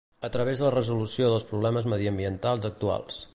a través de la resolució dels problemes mediambientals actuals